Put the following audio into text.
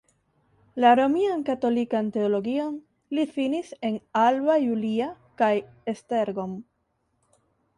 La romian katolikan teologion li finis en Alba Iulia kaj Esztergom.